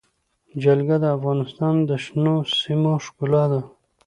جلګه د افغانستان د شنو سیمو ښکلا ده.